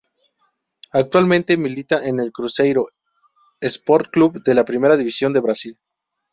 Actualmente milita en el Cruzeiro Esporte Clube de la Primera División de Brasil.